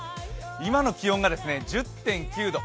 今の気温が１０．９度。